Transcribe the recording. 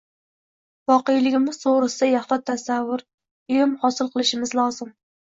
voqeligimiz to‘g‘risida yaxlit tasavvur – ilm hosil qilishimiz lozim.